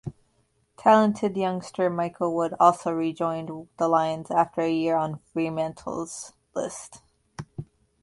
Talented youngster Michael Wood also re-joined the Lions after a year on Fremantle's list.